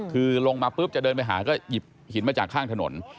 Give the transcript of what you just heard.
คือลงมาปุ๊บจะเดินไปหาก็หยิบหินมาจากข้างถนน